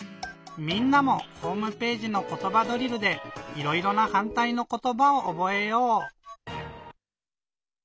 みんなもホームページの「ことばドリル」でいろいろなはんたいのことばをおぼえよう！